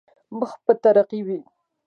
مخ پر ترقي وي.